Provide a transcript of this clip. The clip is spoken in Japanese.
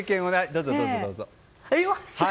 どうぞ、どうぞ。